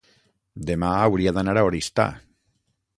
demà hauria d'anar a Oristà.